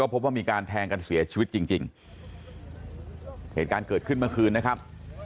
พบว่ามีการแทงกันเสียชีวิตจริงจริงเหตุการณ์เกิดขึ้นเมื่อคืนนะครับ